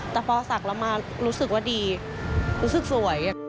แต่พอศักดิ์เรามารู้สึกว่าดีรู้สึกสวย